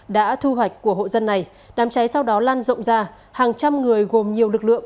đã thu hoạch của hộ dân này đám cháy sau đó lan rộng ra hàng trăm người gồm nhiều lực lượng